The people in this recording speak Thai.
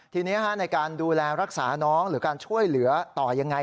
ทีนี้ในการดูแลรักษาน้องหรือการช่วยเหลือต่อยังไง